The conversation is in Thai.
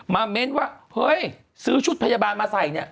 เม้นว่าเฮ้ยซื้อชุดพยาบาลมาใส่เนี่ย